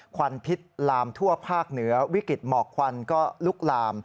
ควันพิษลามทั่วภาคเหนือวิกฤตหมอกควันก็ลุกลาม